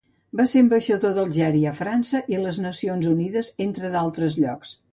Va ser ambaixador d'Algèria a França i les Nacions Unides entre d'altres llocs.